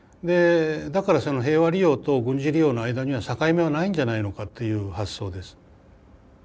だから平和利用と軍事利用の間には境目はないんじゃないのかという発想です。